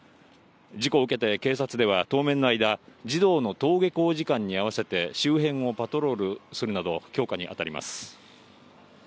事故を受けて、警察では当面の間、児童の登下校時間に合わせて、周辺をパトロールするなど、強化に当たります。